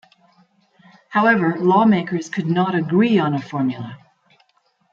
However, lawmakers could not agree on a formula.